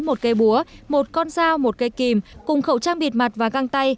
một cây búa một con dao một cây kìm cùng khẩu trang bịt mặt và găng tay